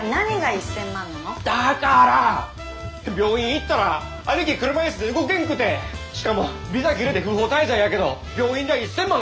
だから病院行ったら兄貴車椅子で動けんくてしかもビザ切れて不法滞在やけど病院代１，０００万